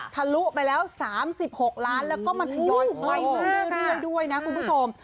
ทะลุไปแล้ว๓๖ล้านแล้วก็มันทยอยค่อยลงเรื่อยด้วยนะคุณผู้ชม